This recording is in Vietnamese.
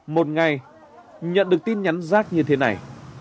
một ngày nhận được tin nhắn rác như thế này